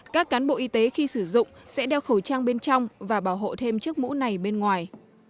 các cán bộ y tế khi sử dụng sẽ đeo khẩu trang bên trong và bảo hộ thêm chiếc mũ này bên ngoài